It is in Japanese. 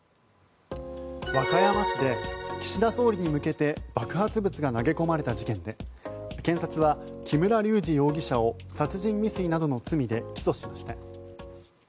和歌山市で岸田総理に向けて爆発物が投げ込まれた事件で検察は木村隆二容疑者を殺人未遂などの罪で起訴しました。